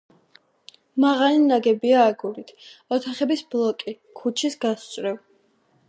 მაღალი ნაგებია აგურით, ოთახების ბლოკი, ქუჩის გასწვრივ.